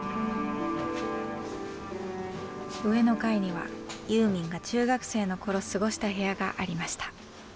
上の階にはユーミンが中学生の頃過ごした部屋がありました。